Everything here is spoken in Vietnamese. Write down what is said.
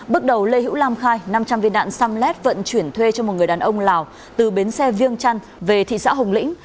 bước đầu lê hữu lam khai năm trăm linh viên đạn samlet vận chuyển thuê cho một người đàn ông lào từ bến xe viêng trăn về thị xã hồng lĩnh